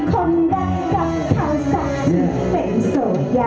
หยุดมีท่าหยุดมีท่า